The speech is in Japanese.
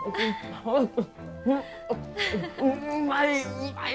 うまい！